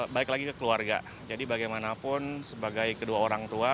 balik lagi ke keluarga jadi bagaimanapun sebagai kedua orang tua